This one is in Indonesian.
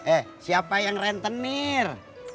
eh siapa yang rentenir